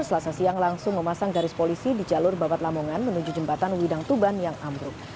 selasa siang langsung memasang garis polisi di jalur babat lamongan menuju jembatan widang tuban yang ambruk